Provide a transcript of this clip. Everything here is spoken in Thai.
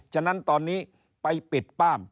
ฉะนั้นตอนนี้ไปปิดป้าม